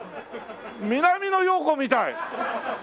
南野陽子みたい。